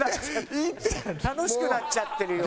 楽しくなっちゃってるよ。